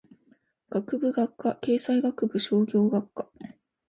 学部・学科経済学部商業学科